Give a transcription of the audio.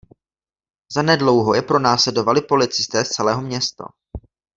Za nedlouho je pronásledovali policisté z celého města.